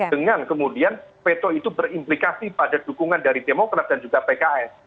dengan kemudian veto itu berimplikasi pada dukungan dari demokrat dan juga pks